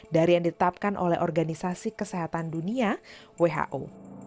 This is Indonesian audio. dari yang ditetapkan oleh organisasi kesehatan dunia who